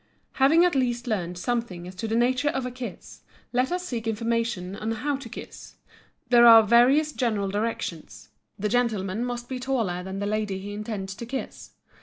Having at least learned something as to the nature of a kiss, let us seek information on how to kiss. There are various general directions; the gentleman must be taller than the lady he intends to kiss.